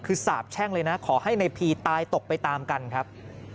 คือสาบแช่งเลยนะขอให้ในพีตายตกไปตามกันครับ